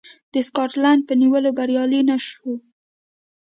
د سکاټلنډ په نیولو بریالی نه شو.